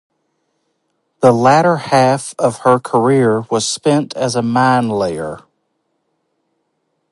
The latter half of her career was spent as a mine-layer.